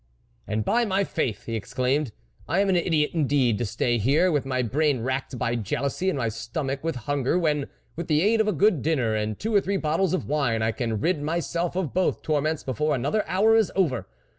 " And, by my faith !" he exclaimed, " I am an idiot indeed to stay here, with my brain racked by jealousy, and my stomach with hunger, when, with the aid of a good dinner and two or three bottles of wine, I can rid myself of both torments before another hour is over.